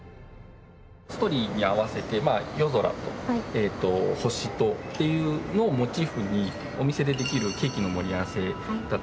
ストーリーに合わせて夜空と星とっていうのをモチーフにお店でできるケーキの盛り合わせだったりですね。